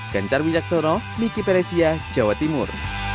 gencar wilaksono miki peresia jawa timur